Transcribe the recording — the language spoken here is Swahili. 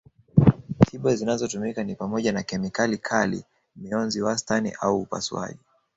Tiba zinazotumika ni pamoja na kemikali kali mionzi wastani au upasuaji